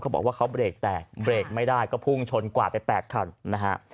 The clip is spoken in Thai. บอกว่าเขาเบรกแตกเบรกไม่ได้ก็พุ่งชนกว่าไป๘คันนะฮะ